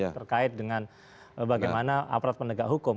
terkait dengan bagaimana aparat penegak hukum